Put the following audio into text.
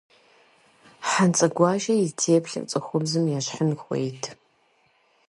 Хьэнцэгуащэ и теплъэр цӏыхубзым ещхьын хуейт.